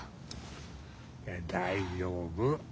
大丈夫。